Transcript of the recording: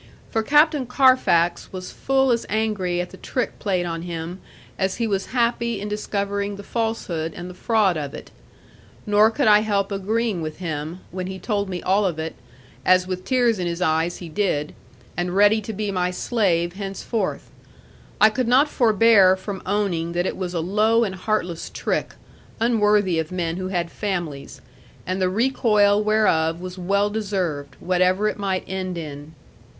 For Captain Carfax was full as angry at the trick played on him as he was happy in discovering the falsehood and the fraud of it. Nor could I help agreeing with him, when he told me all of it, as with tears in his eyes he did, and ready to be my slave henceforth; I could not forbear from owning that it was a low and heartless trick, unworthy of men who had families; and the recoil whereof was well deserved, whatever it might end in.